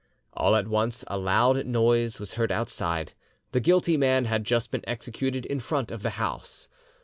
All at once a loud noise was heard outside: the guilty man had just been executed in front of the house.